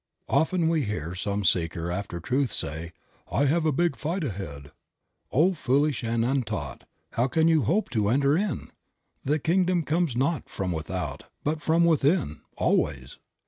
Often we hear some seeker after truth say, "I have a big fight ahead." O foolish and untaught, how can you hope to enter in! The kingdom comes not from without, but from within, always.